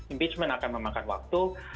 impeachment akan memakan waktu